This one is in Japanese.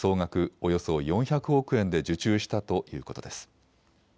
およそ４００億円で受注したということです。